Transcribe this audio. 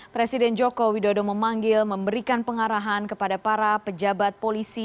presiden joko widodo memanggil memberikan pengarahan kepada para pejabat polisi